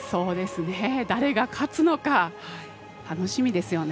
誰が勝つのか楽しみですよね。